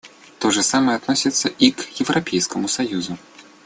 То же самое относится и к Европейскому союзу.